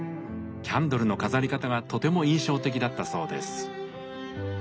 キャンドルの飾り方がとても印象的だったそうです。